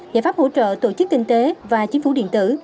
giải pháp hỗ trợ tổ chức kinh tế và chính phủ điện tử